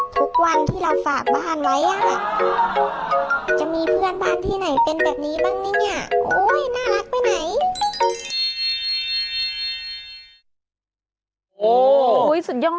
ทุกวันที่เราฝากบ้านไว้จะมีเพื่อนบ้านที่ไหนเป็นแบบนี้บ้างเนี่ย